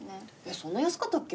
そんな安かったっけ？